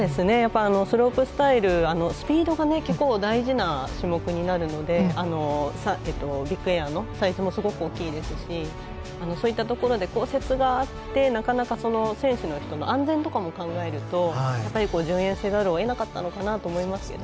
スロープスタイルはスピードが結構、大事な種目になるのでビッグエアのサイズもすごく大きいですしそういったところで降雪があって、なかなか選手の人の安全も考えると順延せざるを得なかったのかなと思います。